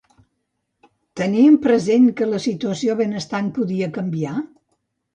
Tenien present que la situació benestant podia canviar?